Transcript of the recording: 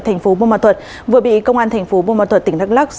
thành phố bô màu thuật vừa bị công an thành phố bô màu thuật tỉnh đắk lắc